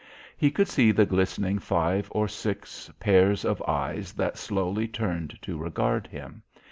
He could see the glistening five or six pairs of eyes that slowly turned to regard him.